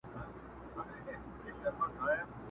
o چي ډېري غورېږي، هغه لږ اورېږي!